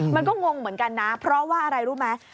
งงเหมือนกันนะเพราะว่าอะไรรู้ไหม